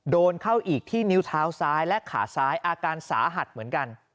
โดนเข้าอีกที่นิ้วเท้าซ้ายและขาซ้ายอาการสาหัสเหมือนกัน